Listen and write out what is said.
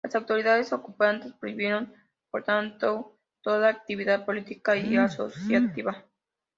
Las autoridades ocupantes prohibieron por tanto toda actividad política y asociativa.